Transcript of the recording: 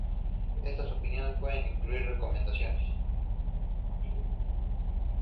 Estas opiniones pueden incluir recomendaciones.